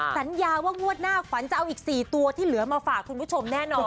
สัญญาว่างวดหน้าขวัญจะเอาอีก๔ตัวที่เหลือมาฝากคุณผู้ชมแน่นอน